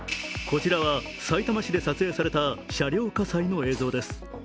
こちらは、さいたま市で撮影された車両火災の映像です。